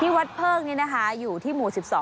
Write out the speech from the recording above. วัดเพิกนี้นะคะอยู่ที่หมู่๑๒